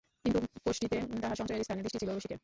কিন্তু কোষ্ঠীতে তাহার সঞ্চয়ের স্থানে দৃষ্টি ছিল রসিকের।